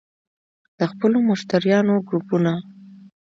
- د خپلو مشتریانو ګروپونه